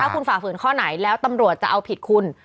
คุณฝ่าฝืนข้อไหนแล้วตำรวจจะเอาผิดคุณ